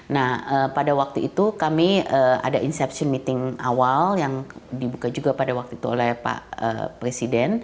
nah pada waktu itu kami ada inception meeting awal yang dibuka juga pada waktu itu oleh pak presiden